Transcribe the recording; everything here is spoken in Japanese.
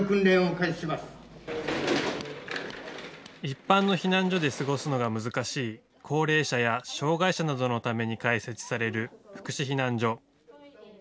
一般の避難所で過ごすのが難しい高齢者や障害者などのために開設される福祉避難所。